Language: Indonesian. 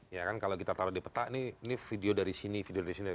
ya kan kalau kita taruh di peta ini video dari sini video dari sini